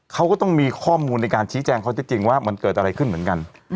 เขาก็ต้องมีข้อมูลในการชี้แจงข้อเท็จจริงว่ามันเกิดอะไรขึ้นเหมือนกัน